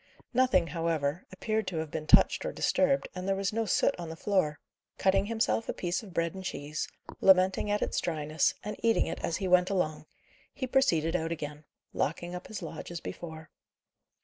Nothing, however, appeared to have been touched or disturbed, and there was no soot on the floor. Cutting himself a piece of bread and cheese, lamenting at its dryness, and eating it as he went along, he proceeded out again, locking up his lodge as before.